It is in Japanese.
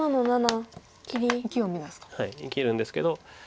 生きるんですけど。